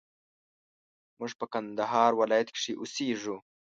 موږ په کندهار ولايت کښي اوسېږو